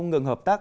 ngừng hợp tác